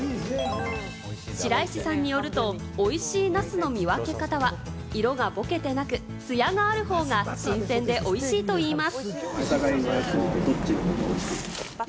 白石さんによると、おいしいナスの見分け方は色がぼけてなく、ツヤがある方が新鮮でおいしいといいます。